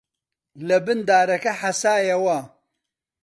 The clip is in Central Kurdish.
لەبن دارەکە حەسایەوە